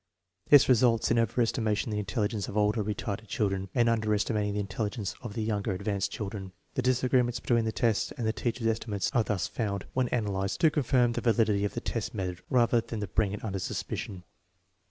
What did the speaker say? This results in over estimating the intelligence of older, retarded children, and underestimating the intelligence of the younger, ad vanced children. The disagreements between the tests and the teachers' estimates are thus found, when analyzed, to confirm the validity of the test method rather than to bring it under suspicion.